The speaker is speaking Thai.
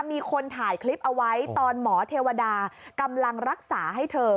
มีคนถ่ายคลิปเอาไว้ตอนหมอเทวดากำลังรักษาให้เธอ